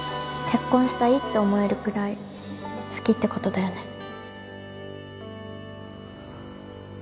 結婚したいって思えるくらい好きってことだよね？